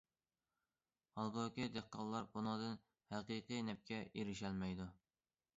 ھالبۇكى، دېھقانلار بۇنىڭدىن ھەقىقىي نەپكە ئېرىشەلمەيدۇ.